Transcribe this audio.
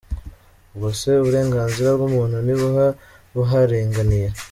Ubwo se uburenganzira bw’umuntu ntibuba buharenganiye?”.